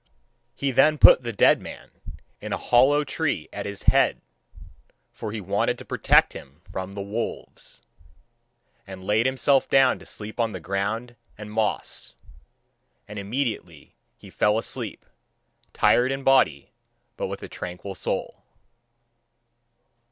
He then put the dead man in a hollow tree at his head for he wanted to protect him from the wolves and laid himself down on the ground and moss. And immediately he fell asleep, tired in body, but with a tranquil soul.